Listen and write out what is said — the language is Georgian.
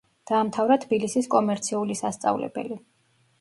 დაამთავრა თბილისის კომერციული სასწავლებელი.